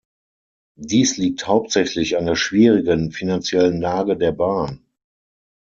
Dies liegt hauptsächlich an der schwierigen finanziellen Lage der Bahn.